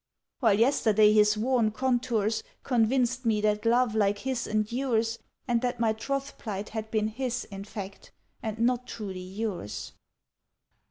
"While yesterday his worn contours Convinced me that love like his endures, And that my troth plight Had been his, in fact, and not truly yours."